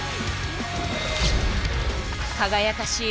輝かしい